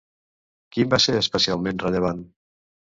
Quin va ser especialment rellevant?